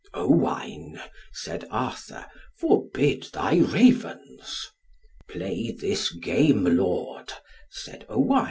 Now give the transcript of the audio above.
"Owain," said Arthur, "forbid thy Ravens." "Play this game, Lord," said Owain.